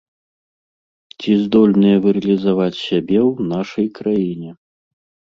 Ці здольныя вы рэалізаваць сябе ў нашай краіне?